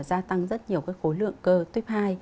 gia tăng rất nhiều cái khối lượng cơ tuyếp hai